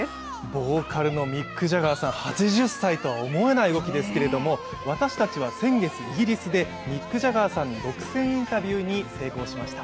ボーカルのミック・ジャガーさん８０歳とは思えない動きですけれども、私たちは先月イギリスでミック・ジャガーさんの独占インタビューに成功しました。